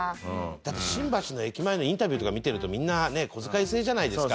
だって新橋の駅前のインタビューとか見てるとみんなねこづかい制じゃないですか。